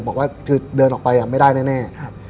บอกว่าคือเดินออกไปไม่ได้แน่